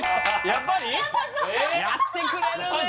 やっぱそうだやってくれるね